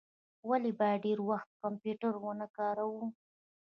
ولي باید ډیر وخت کمپیوټر و نه کاروو؟